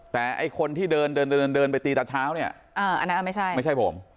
แต่ไอ้คนที่เดินไปตีตาเช้าเนี่ยอันนั้นไม่ใช่ผม